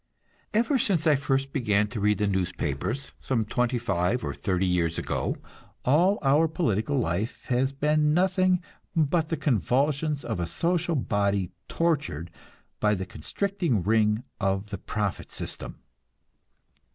Ever since I first began to read the newspapers, some twenty five or thirty years ago, all our political life has been nothing but the convulsions of a social body tortured by the constricting ring of the profit system.